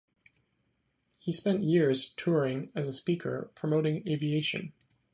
He spent years touring as a speaker promoting aviation.